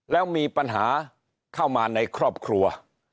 แล้วมีปัญหาเข้ามาในครอบครัว